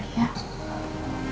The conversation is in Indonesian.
renda pasti ketemu kan kok